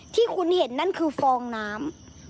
ที่คุณเห็นนั่นคือฟองน้ำ